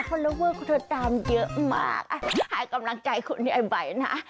คนละเวอร์คุณตามเยอะมากหายกำลังใจคุณยายไบนะ